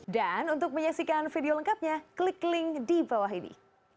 dan untuk menyaksikan video lengkapnya klik link di bawah ini